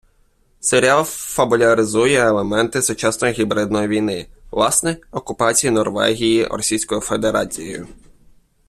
Серіал фабуляризує елементи сучасної гібридної війни — власне, окупації Норвегії Російською Федерацією.